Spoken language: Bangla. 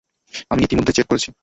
আমি ইতিমধ্যেই চেক করেছি।